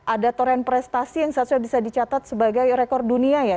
ada toren prestasi yang seharusnya bisa dicatat sebagai rekor dunia ya